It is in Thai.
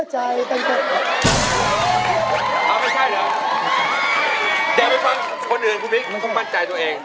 เดี๋ยวไปฟังคนอื่นคุณวิคคุณต้องมั่นใจตัวเอง